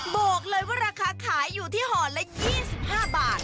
บอกเลยว่าราคาขายอยู่ที่ห่อละ๒๕บาท